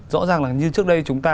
rõ ràng là như trước đây chúng ta